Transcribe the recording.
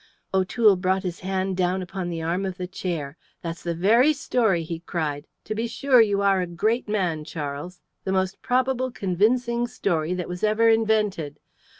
O'Toole brought his hand down upon the arm of the chair. "There's the very story," he cried. "To be sure, you are a great man, Charles. The most probable convincing story that was ever invented!